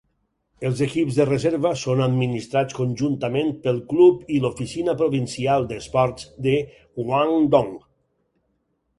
Els equips de reserva són administrats conjuntament pel club i l'Oficina Provincial d'Esports de Guangdong.